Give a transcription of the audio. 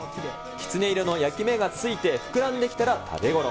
きつね色の焼き目がついて膨らんできたら食べごろ。